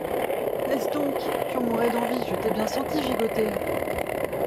Laisse donc ! tu en mourais d’envie, je t’ai bien sentie gigoter…